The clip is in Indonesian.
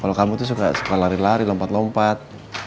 kalau kamu tuh suka suka lari lari lompat lompat